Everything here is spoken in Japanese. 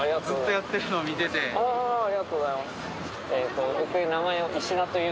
ありがとうございます。